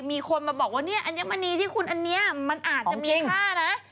มีคนมาบอกว่าอันนี้มันอาจจะมีค่านะ